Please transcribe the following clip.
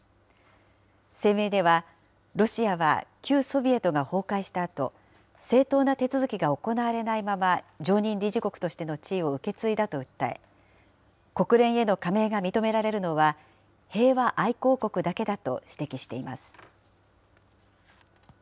声明では、ロシアは旧ソビエトが崩壊したあと、正当な手続きが行われないまま常任理事国としての地位を受け継いだと訴え、国連への加盟が認められるのは、平和愛好国だけだと指摘しています。